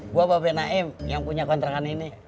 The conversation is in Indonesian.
gue bapak benaim yang punya kontrakan ini